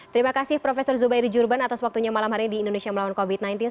terima kasih profesor zubairi jurban atas waktunya malam hari di indonesia melawan covid sembilan belas